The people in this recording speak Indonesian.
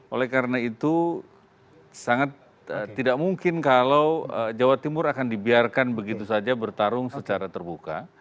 oleh karena itu sangat tidak mungkin kalau jawa timur akan dibiarkan begitu saja bertarung secara terbuka